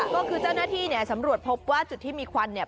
ก็คือเจ้าหน้าที่เนี่ยสำรวจพบว่าจุดที่มีควันเนี่ย